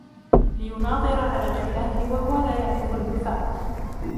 لِيُنَاظِرَ عَلَى الْخِلَافِ وَهُوَ لَا يَعْرِفُ الْوِفَاقَ